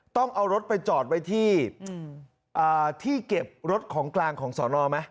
ต้องเอารถไปจอดไว้ที่อืมอ่าที่เก็บรถของกลางของสนไหม